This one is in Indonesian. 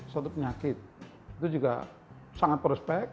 suatu penyakit itu juga sangat prospek